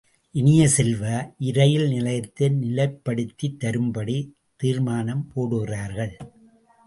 இனிய செல்வ, இரயில் நிலையத்தை நிலைப்படுத்தித் தரும்படி தீர்மானம் போடுகிறார்கள்.